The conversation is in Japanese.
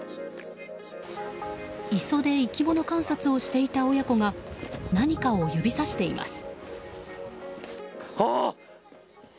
磯で生き物観察をしていた親子が何かを指さしています。